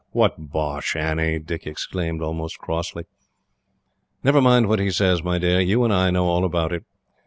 "What bosh, Annie!" Dick exclaimed, almost crossly. "Never mind what he says, my dear. You and I know all about it.